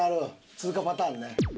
通過パターンね。